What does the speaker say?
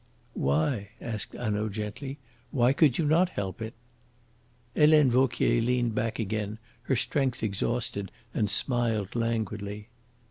"Why?" asked Hanaud gently. "Why could you not help it?" Helene Vauquier leaned back again, her strength exhausted, and smiled languidly.